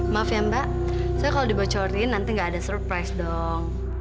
maaf ya mbak saya kalau dibocoriin nanti nggak ada surprise dong